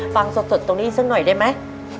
ฟังสดตรงนี้สักหน่อยได้ไหม